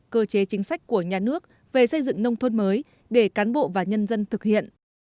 cơ chế chính sách của nhà nước về xây dựng nông thôn mới để cán bộ và nhân dân thực hiện